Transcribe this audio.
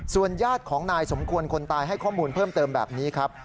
ญาติของนายสมควรคนตายให้ข้อมูลเพิ่มเติมแบบนี้ครับ